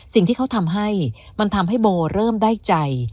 สิ่งที่เขาทำให้มันทำให้โบเริ่มได้ใจ